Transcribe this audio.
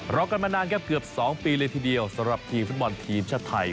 รอกันมานานครับเกือบ๒ปีเลยทีเดียวสำหรับทีมฟุตบอลทีมชาติไทย